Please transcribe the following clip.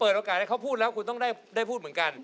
โอกาสให้เขาพูดแล้วคุณต้องได้พูดเหมือนกัน